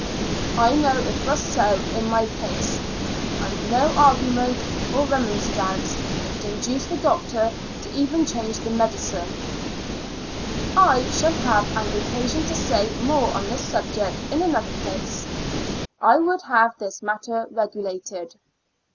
I know it was so in my case, and no argument or remonstrance could induce the doctor to even change the 38 Two Years AND Four Months medicine. I shall have occasion to say more on this subject in another place. I Tvould have this matter regulated.